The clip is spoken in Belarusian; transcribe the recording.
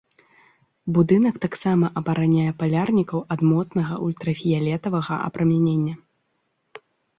Будынак таксама абараняе палярнікаў ад моцнага ультрафіялетавага апрамянення.